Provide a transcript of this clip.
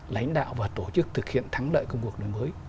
lãnh đạo và tổ chức thực hiện thắng lợi công cuộc đổi mới